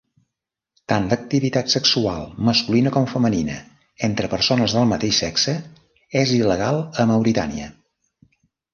Tant l'activitat sexual masculina com femenina entre persones del mateix sexe és il·legal a Mauritània.